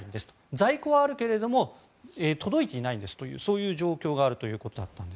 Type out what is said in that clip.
在庫はあるけれども届いていないんですというそういう状況があるということでした。